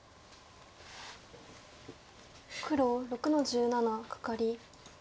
黒６の十七カカリ。